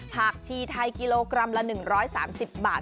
ผักชีไทยกิโลกรัมละ๑๓๐บาท